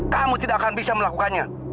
kamu tidak akan bisa melakukannya